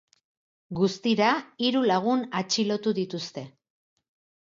Guztira, hiru lagun atxilotu dituzte.